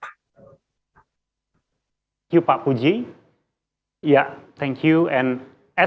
dan untuk saat ini